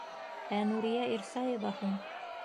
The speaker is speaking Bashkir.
Ә Нурия Ирсаева һуң?!